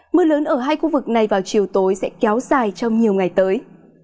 mưa lớn ở hai khu vực này vào chiều tối sẽ kéo dài trong nhiều ngày tới